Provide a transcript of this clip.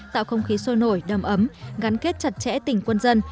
tạo không khí sôi nổi đâm ấm gắn kết chặt chẽ tình quân dân